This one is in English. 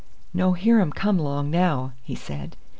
"No hear um come 'long now," he said.